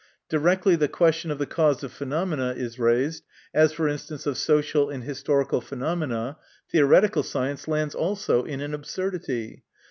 Directly the question of the cause of phenomena is raised as, for instance, of social and historical phenomena theoretical science lands also in an absurdity.